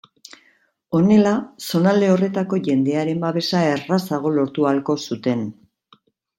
Honela, zonalde horretako jendearen babesa errazago lortu ahalko zuten.